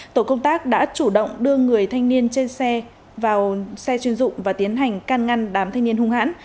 tổ công tác đã chủ động đưa người thanh niên trên xe vào xe chuyên dụng và tiến hành can ngăn đám thanh niên hung hãn